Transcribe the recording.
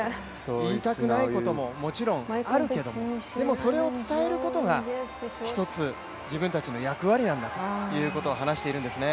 言いたくないことももちろんあるけどでもそれを伝えることが１つ、自分たちの役割なんだということを離しているんですね。